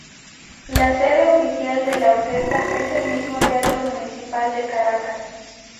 La sede oficial de la orquesta es el mismo Teatro Municipal de Caracas.